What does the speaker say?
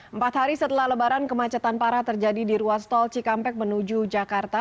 empat hari setelah lebaran kemacetan parah terjadi di ruas tol cikampek menuju jakarta